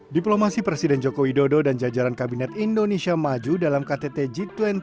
diplomasi presiden joko widodo dan jajaran kabinet indonesia maju dalam ktt g dua puluh dua ribu dua puluh dua